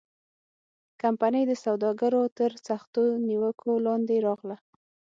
کمپنۍ د سوداګرو تر سختو نیوکو لاندې راغله.